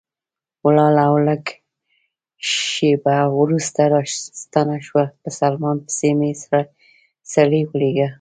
ولاړه او لږ شېبه وروسته راستنه شوه، په سلمان پسې مې سړی ولېږه.